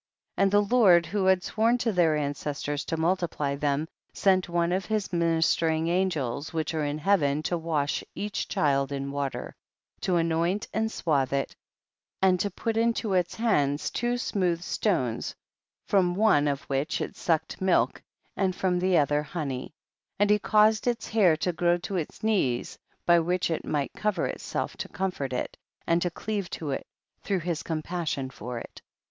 55. And the Lord who had sworn to their ancestors to multiply them, sent one of his ministering angels which are in heaven to wash each child in water, to anoint and swathe it and to put into its hands two smooth stones from one of which it sucked milk and from the other honey, and he caused its hair to grow to his knees, by which it might * Had any miraculous escape from water. THE BOOK OF JASHER. 213 cover itself, to* comfort it and to cleave to it, througli his compassion for it.